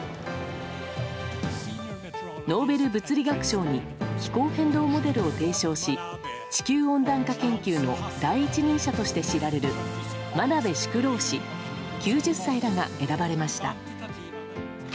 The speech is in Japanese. ノーベル物理学賞に気候変動モデルを提唱し地球温暖化研究の第一人者として知られる真鍋淑郎氏、９０歳らが選ばれました。